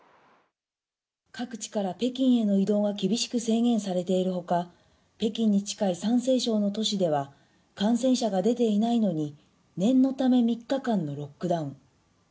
各地から北京への移動が厳しく制限されているほか、北京に近い山西省の都市では、感染者が出ていないのに、念のため３日間のロックダウン。